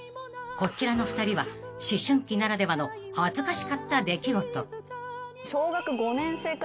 ［こちらの２人は思春期ならではの恥ずかしかった出来事］